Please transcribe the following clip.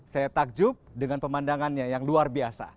saya takjub dengan pemandangannya yang luar biasa